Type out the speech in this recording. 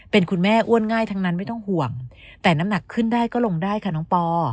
เป็นคุณแม่อ้วนง่ายทั้งนั้นไม่ต้องห่วงแต่น้ำหนักขึ้นได้ก็ลงได้ค่ะน้องปอ